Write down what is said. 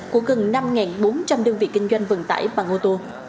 của gần năm bốn trăm linh đơn vị kinh doanh vận tải bằng ô tô